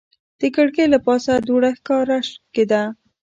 د کړکۍ له پاسه دوړه ښکاره کېده.